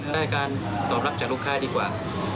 ได้การตอบรับจากลูกค้าดีกว่า